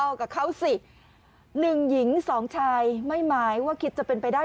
เอากับเขาสิหนึ่งหญิงสองชายไม่หมายว่าคิดจะเป็นไปได้